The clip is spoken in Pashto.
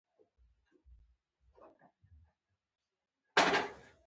د قدرت او اقتدار د چوکیو وېش رامېنځته شو.